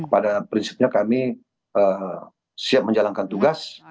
pada prinsipnya kami siap menjalankan tugas